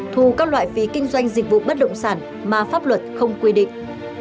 thu các loại phí kinh doanh dịch vụ bất động sản mà pháp luật không quy định